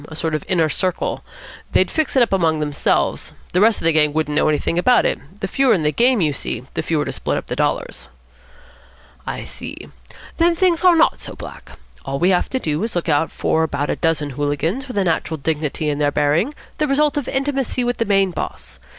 A sort of Inner Circle. They'd fix it up among themselves. The rest of the gang wouldn't know anything about it. The fewer in the game, you see, the fewer to split up the dollars." "I see. Then things are not so black. All we have to do is to look out for about a dozen hooligans with a natural dignity in their bearing, the result of intimacy with the main boss.